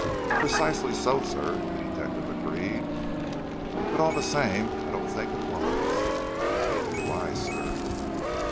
"Precisely so, sir," the detective agreed. "But, all the same, I don't think it was." "Neither do I, sir."